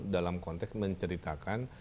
dalam konteks menceritakan